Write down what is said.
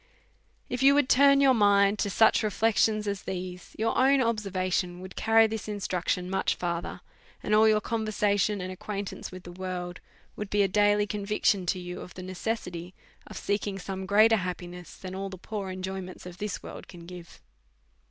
If you would turn your mind to such reflections as these, your own observation would carry this instruc tion much further, and all your conversation and ac quaintance with the world would be a daily conviction to you of the necessity of seeking some greater happi ness, than all the poor enjoyments this world can give.